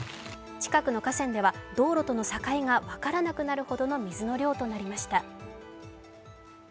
近くの河川では道路との境が分からなくなるほどの水の量となりました。